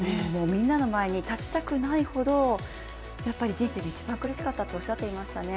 みんなの前に立ちたくないほど人生で一番苦しかったとおっしゃってましたね